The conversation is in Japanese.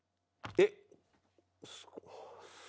えっ？